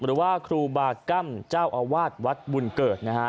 คือว่าครูบากล้ำเจ้าอาวาสวัดบุญเกิด